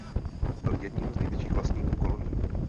Byl jedním z největších vlastníků kolonií.